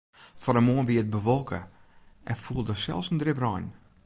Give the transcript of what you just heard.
Fan 'e moarn wie it bewolke en foel der sels in drip rein.